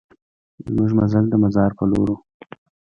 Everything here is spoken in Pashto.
زمونږ مزل د مزار په لور و.